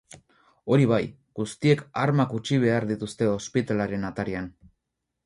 Hori bai, guztiek armak utxi behar dituzte ospitalearen atarian.